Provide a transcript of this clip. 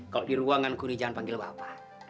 kalau di ruanganku nih jangan panggil bapak